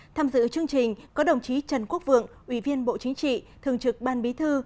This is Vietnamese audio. tham dự chương trình có đồng chí trần quốc vượng ủy viên bộ chính trị thường trực ban bí thư